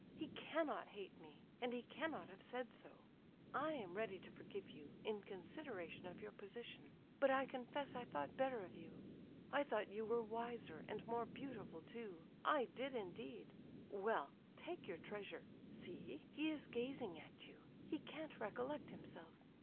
He cannot hate me, and he cannot have said so. I am ready to forgive you, in consideration of your position; but I confess I thought better of you. I thought you were wiser, and more beautiful, too; I did, indeed! Well, take your treasure! See, he is gazing at you, he can't recollect himself.